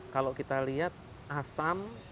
kalau kita lihat asam